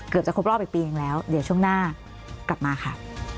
จะครบรอบอีกปีนึงแล้วเดี๋ยวช่วงหน้ากลับมาค่ะ